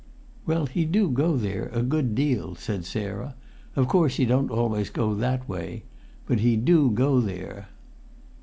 "Well, he do go there a good deal," said Sarah. "Of course he don't always go that way; but he do go there."